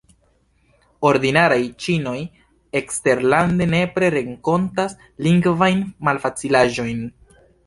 Ordinaraj ĉinoj eksterlande nepre renkontas lingvajn malfacilaĵojn.